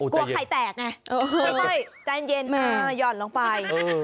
กลัวไข่แตกไงค่อยใจเย็นหย่อนลงไป